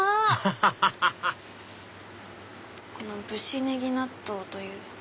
ハハハハこのぶしねぎ納豆という。